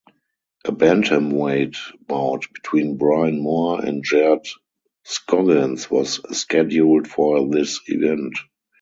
A bantamweight bout between Brian Moore and Jared Scoggins was scheduled for this event.